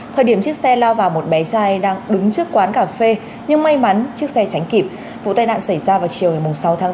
thời điểm chiếc xe lao vào một bé trai đang đứng trước quán cà phê nhưng may mắn chiếc xe tránh kịp